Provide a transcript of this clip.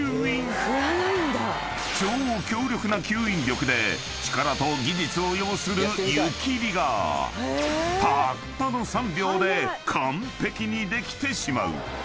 ［超強力な吸引力で力と技術を要する湯切りがたったの３秒で完璧にできてしまう］